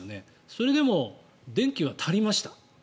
それでも電気は足りました。